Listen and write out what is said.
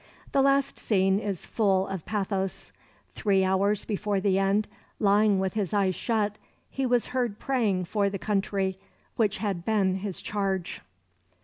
The last scene is full of pathos. Three hours before the end, lying with his eyes shut, he was heard praying for the country which had been his charge.